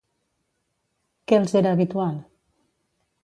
Què els era habitual?